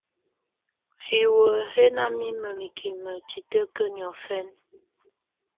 Hiwǝ́ hɛ̀ nà mimǝ mikimǝ titǝkiǝ niɔ̀fɛ̀na.